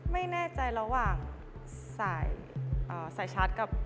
ไม่แน่ใจระหว่างสายชาร์จกับ